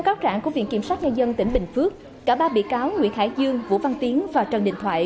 cả ba bị cáo nguyễn hải dương vũ văn tiến và trần đình thoại